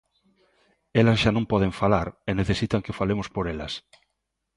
Elas xa non poden falar e necesitan que falemos por elas.